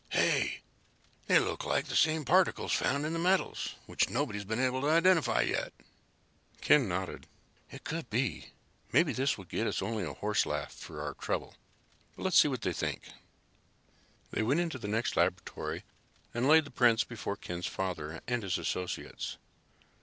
"Hey, they look like the same particles found in the metals, which nobody has been able to identify yet!" Ken nodded. "It could be. Maybe this will get us only a horselaugh for our trouble, but let's see what they think." They went into the next laboratory and laid the prints before Ken's father and his associates.